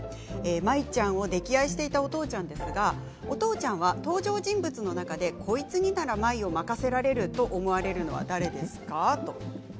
舞ちゃんを溺愛していたお父ちゃんですが、お父ちゃんは登場人物の中でこいつになら舞を任せられると思われるのは誰ですか？